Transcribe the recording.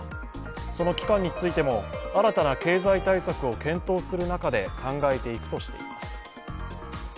その期間についても、新たな経済対策を検討する中で考えていくとしています。